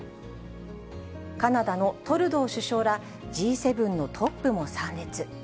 カナダのトルドー首相ら、Ｇ７のトップも参列。